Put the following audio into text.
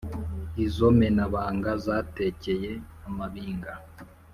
Izo menabanga zatekeye amabinga